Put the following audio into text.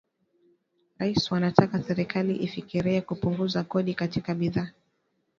raia wanataka serikali ifikirie kupunguza kodi katika bidhaa